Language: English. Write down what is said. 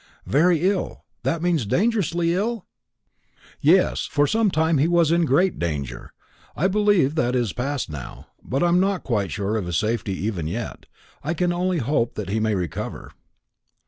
"Very ill that means dangerously ill?" "Yes; for some time he was in great danger. I believe that is past now; but I am not quite sure of his safety even yet. I can only hope that he may recover."